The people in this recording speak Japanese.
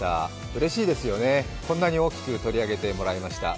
うれしいですよね、こんなに大きく取り上げてもらいました。